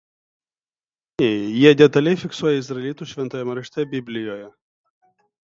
Ji detaliai fiksuojama izraelitų šventajame rašte Biblijoje.